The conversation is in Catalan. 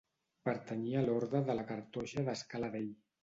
Pertanyia a l'Orde de la Cartoixa d'Escaladei.